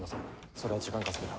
それは時間かせぎだ。